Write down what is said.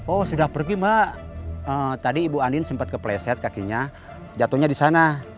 oh sudah pergi mbak tadi ibu andin sempat kepleset kakinya jatuhnya di sana